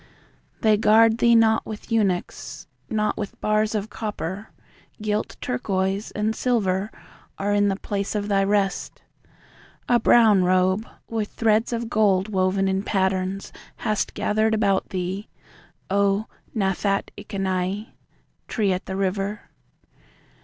They guard thee not with eunuchs; Not with bars of copper. Gilt turquoise and silver are in the place of thy rest.A brown robe, with threads of gold woven in patterns, hast thou gathered about thee,O Nathat Ikanaie, "Tree at the river."